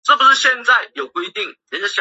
自由电子激光器的核心是电子源。